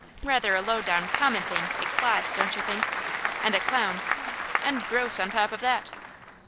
Rather a lowdown, common thing, a 'clod,' don't you think? And a 'clown'! And 'gross' on top of that!"